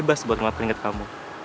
aku gak bisa bebas buat ngelakuin ke kamu